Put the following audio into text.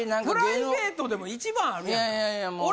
プライベートでも一番あるやんか。